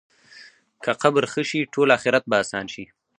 که قبر ښه شي، ټول آخرت به اسان شي.